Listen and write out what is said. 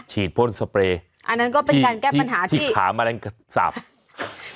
ฉีดพ้นสเปรย์ที่ขามะเร็งสับอ่ะนั้นก็เป็นการแก้ปัญหาที่